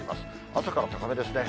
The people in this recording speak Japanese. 朝から高めですね。